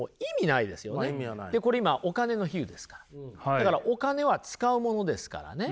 だからお金は使うものですからね。